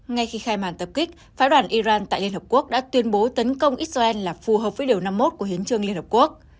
ngay khi khai màn tập kích phái đoàn iran tại liên hợp quốc đã tuyên bố tấn công israel là phù hợp với điều năm mươi một của hiến trương liên hợp quốc